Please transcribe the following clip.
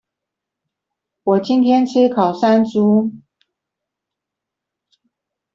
我今天吃烤山豬